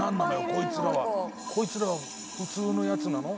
こいつらは。こいつら普通のやつなの？